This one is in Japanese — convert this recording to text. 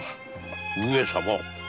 上様